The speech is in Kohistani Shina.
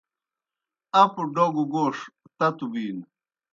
اپوْ ڈوگوْ گوݜ تتوْ بِینوْ۔